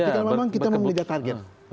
kalau memang kita memang mengejar target